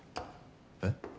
えっ？